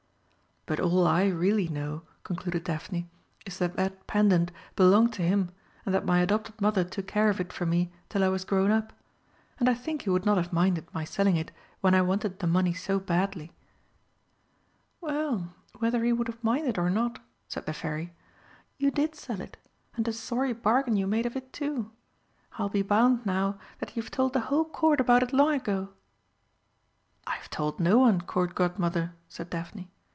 "But all I really know," concluded Daphne, "is that that pendant belonged to him, and that my adopted Mother took care of it for me till I was grown up. And I think he would not have minded my selling it when I wanted the money so badly." "Well, whether he would have minded or not," said the Fairy, "you did sell it and a sorry bargain you made of it, too! I'll be bound, now, that you've told the whole Court about it long ago!" "I have told no one, Court Godmother," said Daphne.